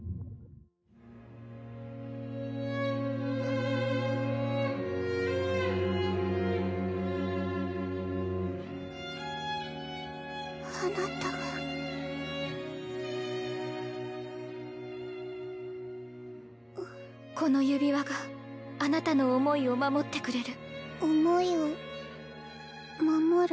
あっあなたがあっこの指輪あなたの思いを守ってくれる思いを守る？